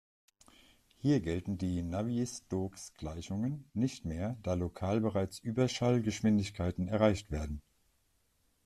Hier gelten die Navier-Stokes-Gleichungen nicht mehr, da lokal bereits Überschall-Geschwindigkeiten erreicht werden.